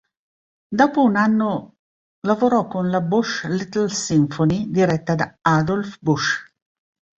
Dopo un anno lavorò con la Busch Little Symphony, diretta da Adolf Busch.